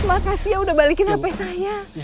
makasih ya udah balikin hp saya